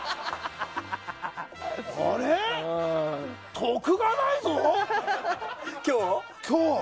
得がないぞ、今日。